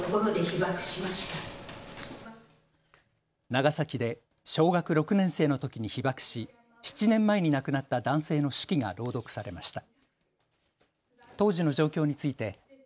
長崎で小学６年生のときに被爆し７年前に亡くなった男性の手記が朗読されました。